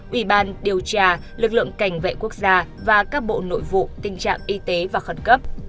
ủy ban điều tra lực lượng cảnh vệ quốc gia và các bộ nội vụ tình trạng y tế và khẩn cấp